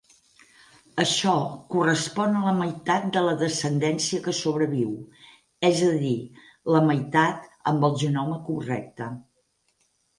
Això correspon a la meitat de la descendència que sobreviu; és a dir, la meitat amb el genoma correcte.